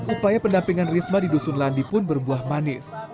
upaya pendampingan risma di dusun landi pun berbuah manis